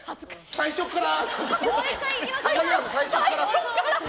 最初から。